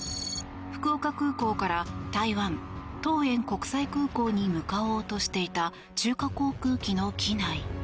福岡空港から台湾桃園国際空港に向かおうとしていた中華航空機の機内。